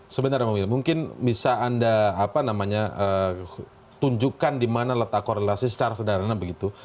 sebenarnya mungkin bisa anda tunjukkan di mana letak korelasi secara sederhana begitu